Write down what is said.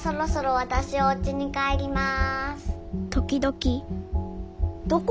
わたしおうちに帰ります。